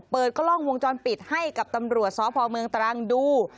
เปิดกล้องวงจรปิดให้กับตำรวจสพเมืองตรังดู